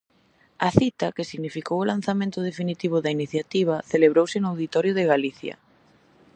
A cita, que significou o lanzamento definitivo da iniciativa, celebrouse no Auditorio de Galicia.